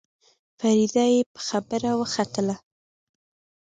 فريده يې په خبره وختله.